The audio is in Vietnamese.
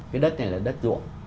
cái đất này là đất luộng